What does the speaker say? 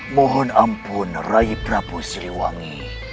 mohon ampun rai prabu siliwangi